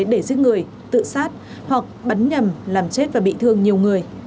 để giết người tự sát hoặc bắn nhầm làm chết và bị thương nhiều người